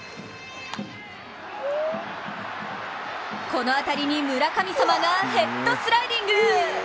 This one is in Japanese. この当たりに村神様がヘッドスライディング！